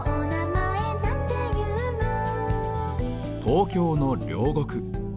東京の両国。